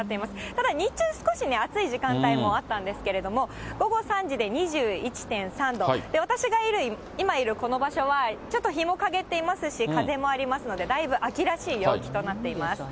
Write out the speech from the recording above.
ただ日中、少しね、暑い時間帯もあったんですけれども、午後３時で２１．３度、私がいる、今いるこの場所はちょっと日も陰っていますし、風もありますので、だいぶ秋らしい陽気となっています。